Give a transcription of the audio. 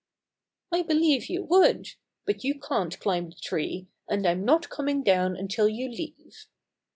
"I believe you would. But you can't climb the tree, and I'm not coming down until you leave."